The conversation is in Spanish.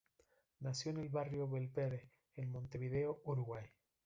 Nació en el barrio Belvedere de Montevideo, Uruguay.